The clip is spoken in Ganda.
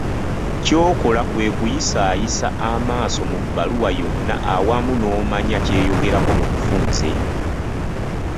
Ky'okola kwekuyisaayisa amaaso mu bbaluwa yonna awamu n'omanya ky'eyogerako mu bufunze.